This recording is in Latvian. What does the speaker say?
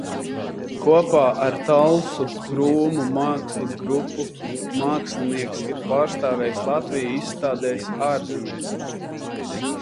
Kopā ar Talsu Krūmu mākslas grupu mākslinieks ir pārstāvējis Latviju izstādēs ārzemēs.